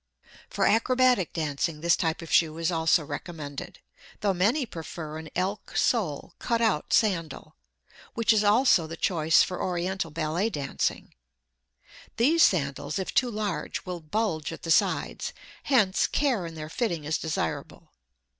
For acrobatic dancing this type of shoe is also recommended, though many prefer an elk sole cut out sandal, which is also the choice for Oriental ballet dancing. These sandals if too large will bulge at the sides, hence care in their fitting is desirable.